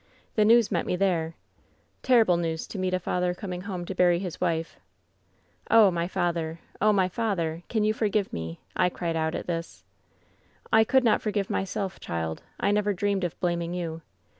The news met me there — ^terrible news to meet a father com ing home to bury his wife/ ^* *Oh, my father ! Oh, my father I Can yon forgive me V I cried out, at this. '* ^I could not forgive myself, child. I never dreamed of blaming you.